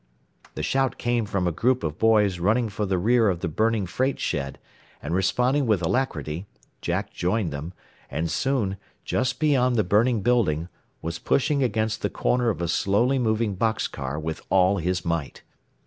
The shout came from a group of boys running for the rear of the burning freight shed, and responding with alacrity, Jack joined them, and soon, just beyond the burning building, was pushing against the corner of a slowly moving box car with all his might.